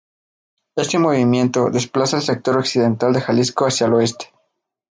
Este movimiento desplaza el sector occidental de Jalisco hacía el Oeste.